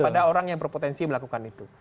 pada orang yang berpotensi melakukan itu